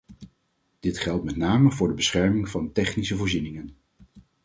Dit geldt met name voor de bescherming van technische voorzieningen.